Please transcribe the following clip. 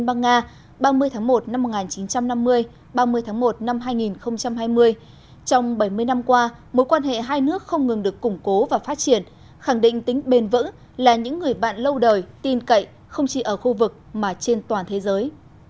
ba mươi tháng một năm một nghìn chín trăm năm mươi ba mươi tháng một năm hai nghìn hai mươi trong bảy mươi năm qua mối quan hệ hai nước không ngừng được củng cố và phát triển khẳng định tính bền vững là những người bạn lâu đời tin cậy không chỉ ở khu vực mà trên toàn thế giới